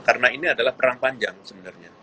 karena ini adalah perang panjang sebenarnya